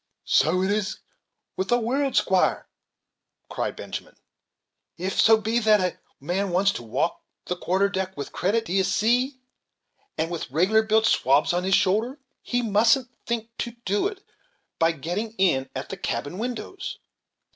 "So it goes with the world, squire," cried Benjamin; "if so be that a man wants to walk the quarter deck with credit, d'ye see, and with regular built swabs on his shoulders, he mustn't think to do it by getting in at the cabin windows.